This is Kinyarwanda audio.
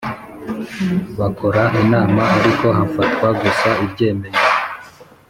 Bakora inama ariko hafatwa gusa ibyemezo